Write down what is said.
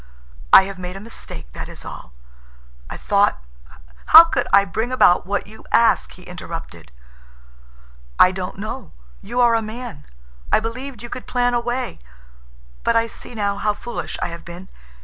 I have made a mistake, that is all. I thought—" "How could I bring about what you ask?" he interrupted. "I don't know. You are a man. I believed you could plan a way, but I see now how foolish I have been.